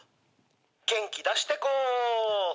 元気出してこ。